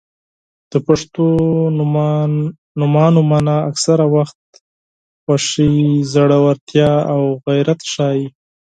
• د پښتو نومونو مانا اکثره وخت خوښي، زړورتیا او غیرت ښيي.